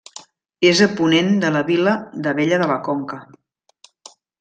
És a ponent de la vila d'Abella de la Conca.